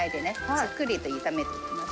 じっくりと炒めていきます。